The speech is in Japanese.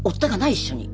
一緒に。